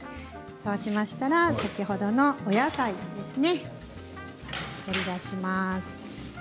そうしましたら先ほどのお野菜ですね。